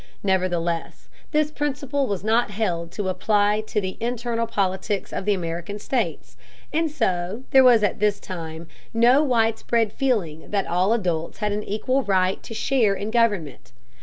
Nevertheless this principle was not held to apply to the internal politics of the American states, and so there was at this time no widespread feeling that all adults had an equal right to share in government.